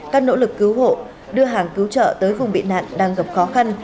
các nỗ lực cứu hộ đưa hàng cứu trợ tới vùng bị nạn đang gặp khó khăn